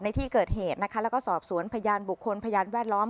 ในที่เกิดเหตุนะคะแล้วก็สอบสวนพยานบุคคลพยานแวดล้อม